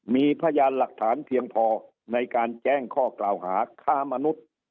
มีพยานหลักฐานเพียงพอในการแจ้งข้อกล่าวหาค้ามนุษย์